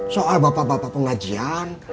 soal bapak bapak pengajian